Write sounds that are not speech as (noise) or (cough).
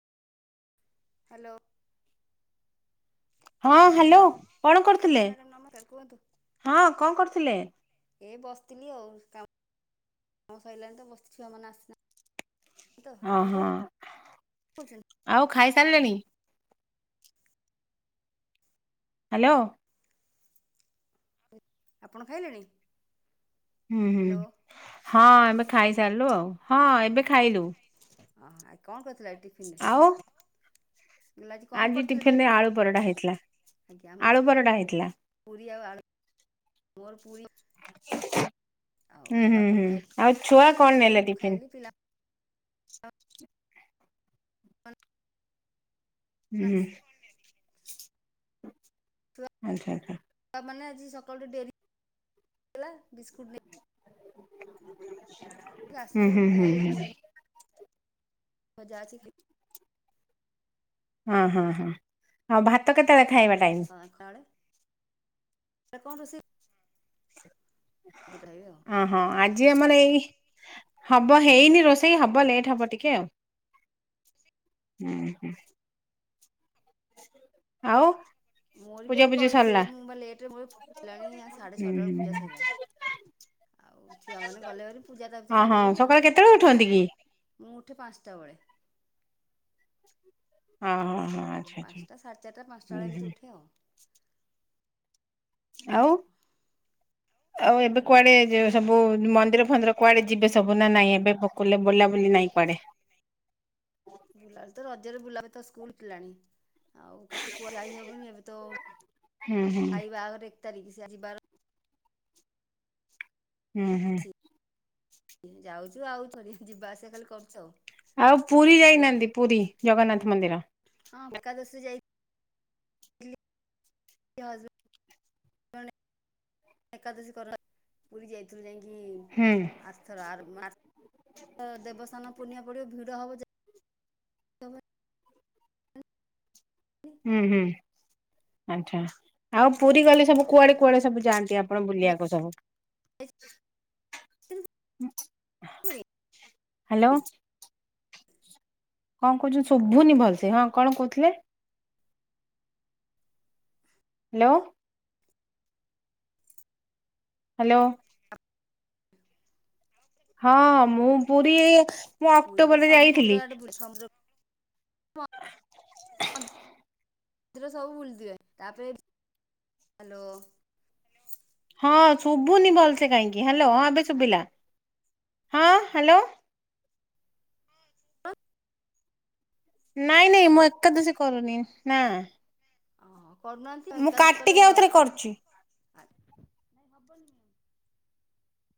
Hello. ହଁ hello, କଣ ହଁ କରୁଥିଲେ? ମ୍ୟାଡ଼ାମ ନମକାର କୁହନ୍ତୁ। ହଁ କଣ କରୁଥିଲେ? ଏ ବସିଥିଲି ଆଉ କାମ କାମ ସରିଲାଣି ତ ବସିଥିଲି ଛୁଆମାନେ ଆସିନା ଅହଃ, କରୁଛନ୍ତି ଆଉ ଖାଇସାରିଲେଣି? ହ୍ୟାଲୋ ଆପଣ ଖାଇଲେଣି? ହୁଁ ହୁଁ ହ୍ୟାଲୋ ହଁ ଆମେ ଖାଇସାରିଲୁ ଆଉ ହଁ ଏବେ ଖାଇଲୁ ଅହଃ ଆଉ କଆଁ କରୁଥିଲା ଏକ୍। ଆଉ, କହିଲେ କଣ ଆଜି କରିଥିଲେ ଟିଫିନରେ ଟିଫିନ ଆଳୁ ପରଟା ହେଇଥିଲା, ଆଜ୍ଞା ଆମର ଆଳୁ ପରଟା ହେଇଥିଲା। ପୁରୀ ଆଉ ଆଳୁ, ମୋର ପୁରୀ ଆଉ ହୁଁ ହୁଁ ବାପାକୁ ହୁଁ ଆଉ ଛୁଆ କଣ ଖାଇଲେ ନେଲେ ମୁଁ ଟିଫିନ? ଖାଇଲି ପିଲା ହଁ ହୁଁ (unintelligible) ଆଚ୍ଛା ଆଚ୍ଛା। ତା ମାନେ ଆଜି ସକାଳୁ ଡେରି ହେଲା, ବିସ୍କୁଟ ନେଇ କି ହୁଁ ଆସିଲେ ହୁଁ ଏଠି ହୁଁ ଖାଇବେ ହୁଁ ପୁରୀ ମଜା ଅଛି କି? ହଁ, ହଁ, ହଁ ଆଉ ଭାତ କେତେବେଳେ ଖାଇବା ଟାଇମ୍? କଣ ଖରା ବେଳେ ଏ କଣ କରୋଷେଇ ଏମିତି ତ ରହିବେ ଆଉ। ହଁ ହଁ ଆଜି ଆମର ଏଇ ହବ ହେଇନି ରୋଷେଇ ହବ ଲେଟ୍ ହବ ଟିକେ ଆଉ। ହୁଁ ହୁଁ। ଆଉ ମୋର ବି ପୂଜା ଆଜି ପୂଜି କରିଚେ ସରିଲା? ମୁଁ ବା ଲେଟରେ ମୋର ପା ସାଢେ ହୁଁ ଛଅଟା ବେଳୁ ପୂଜା ହୁଁ ସଇଲାଣି। ଆଉ ଛୁଆ ମାନେ ଗଲେ ଭାରି ପୂଜା ଟ୍ଟାକୁ ତ ହଁ ହଁ ସରିଦେଇ ଗଲି ଆଉ ସକାଳେ କେତେବେଳେ ଉଠନ୍ତି କି? ମୁଁ ଉଠେ ପାଞ୍ଚଟା ବେଳେ। ହଁ ହଁ ହଁ। ହଁ ଆଚ୍ଛା ଆଚ୍ଛା ପାଞ୍ଚଟା ସାଡ଼େ ଚାରିଟା ପାଞ୍ଚଟା ହୁଁ ବେଳେ ହୁଁ ଏମିତି ଉଠେ ଆଉ। ଆଉ ଆଉ ଏବେ କୁଆଡେ ଯୋଉ ସବୁ ମନ୍ଦିର ଫନ୍ଦିର କୁଆଡେ ଯିବେ ସବୁ? କୁନା ନାଇଁ ଏବେ ପକୁଲେ ପଢିଲା ବୋଲି ନାଇଁ ପଡେ। ବୁଲାବ ତ ରଜରେ ବୁଲାବ ତ ସ୍କୁଲ ଖୋଲିଲାଣି ଆଉ କେତେ କୁଆ ଯାଇହବନି ଏବେ ତ ହୁଁ ହୁଁ ଭାଇବାହାଘର ଏକ ତାରିଖ ସେ ଆଜି ବାର ହୁଁ ହୁଁ। ଅଛି। ଯାଉଛୁ ଆଉ ଥରେ ଯିବା ଆସିବା ଖାଲି କରୁଚୁ ଆଉ। ଆଉ ସ୍କୁଲ ତ ପୁରୀ ଅଛି ତାଙ୍କର ନା। ଯାଇନାନ୍ତି ପୁରୀ ଜଗନ୍ନାଥ ମନ୍ଦିର ହଁ ଏକାଦଶୀ ରେ ଯାଇ କି ହଜ୍‌ବେଣ୍ଡ ମାନେ ଏକାଦଶି କର ପୁରୀ ଯାଇଥିଲୁ ହୁଁ ଯାଇଁକି ଆରଥର ଆର ମା ର ଦେବସ୍ଥାନ ପୂର୍ଣ୍ଣିମା ପରେ ଭିଡ ହବ ଯେ ହୁଁ ହୁଁ ଆଚ୍ଛା ଆଉ ପୁରୀ ଗଲେ ସବୁ କୁଆଡେ କୁଆଡେ ସବୁ ଯାଆନ୍ତି ଆପ କଣ ବୁଲିବାକୁ ସବୁ। ହ୍ୟାଲୋ। କଣ କହୁଛନ୍ତି ସଭୁନି ଭଲସେ ହଁ କଣ କହୁଥିଲେ? ହ୍ୟାଲୋ। ହ୍ୟାଲୋ। ହଁ ମୁଁ ପୁରୀ ମୁଁ ପୁରୀ ତ ଅକ୍ଟୋବରରେ ସବୁ ମନ୍ଦିର ଯାଇଥିଲି। (unintelligible) ସବୁ ବୁଲିଥିବେ ତାପରେ, ହ୍ୟାଲୋ। ହଁ ଶୁଭୁନି ଭଲସେ କାହିଁକି ହ୍ୟାଲୋ ହଁ ଏବେ ଆଜ୍ଞା ଶୁଭିଲା। ହଁ ହ୍ୟାଲୋ। ନାଇଁ ନାଇଁ ମୁଁ ଏକାଦଶୀ କରୁନି ନା। ଓ କରୁନାହାନ୍ତି ମୁଁ ଏକାଳେ ସେକାଳେ କାଟିକି ଆଉଥରେ କରୁଛି। (unintelligible) ନାଇଁ ହବନି।